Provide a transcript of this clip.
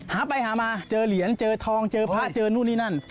หาไปหามาเจอเหรียญเจอทองเจอพระเจอนู่นนี่นั่น